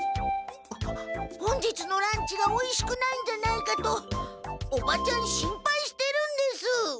本日のランチがおいしくないんじゃないかとおばちゃん心配してるんです。